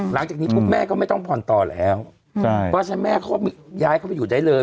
หลังจากนี้ปุ๊บแม่ก็ไม่ต้องผ่อนต่อแล้วเพราะฉะนั้นแม่เขาย้ายเข้าไปอยู่ได้เลย